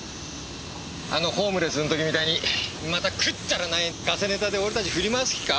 あのホームレスの時みたいにまたくっだらないガセネタで俺たち振り回す気か？